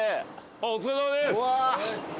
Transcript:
あっお疲れさまです。